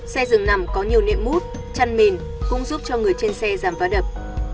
xe rừng nằm có nhiều nệm mút chăn mền cũng giúp cho người trên xe giảm vã đập